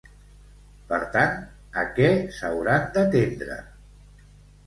Per tant, a què s'hauran d'atendre?